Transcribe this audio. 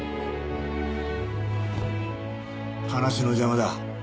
話の邪魔だ。